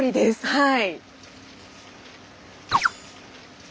はい。